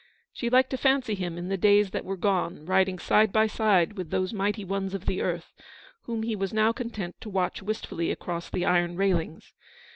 She liked to fancy him in the days that were gone, riding side by side with those mighty ones of the earth, whom he was now content to watch wistfully across the iron railings.